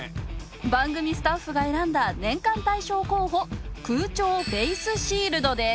番組スタッフが選んだ年間大賞候補空調フェイスシールドです。